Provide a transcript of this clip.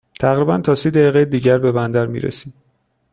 تقریباً تا سی دقیقه دیگر به بندر می رسیم.